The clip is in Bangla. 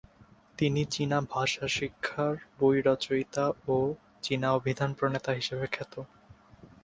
তিনি চীনা ভাষা শিক্ষার বই রচয়িতা ও চীনা অভিধান প্রণেতা হিসেবে খ্যাত।